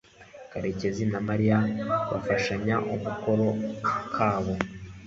karekezi na mariya bafashanya mukoro kabo